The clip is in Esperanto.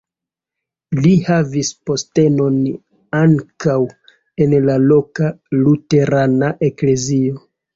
Li havis postenon ankaŭ en la loka luterana eklezio.